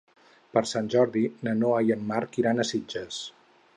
Per Sant Jordi na Noa i en Marc iran a Sitges.